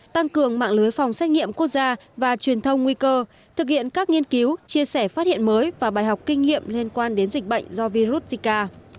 tăng cường mạng lưới phòng xét nghiệm quốc gia và truyền thông nguy cơ thực hiện các nghiên cứu chia sẻ phát hiện mới và bài học kinh nghiệm liên quan đến dịch bệnh do virus zika